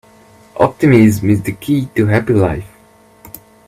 Optimism is the key to a happy life.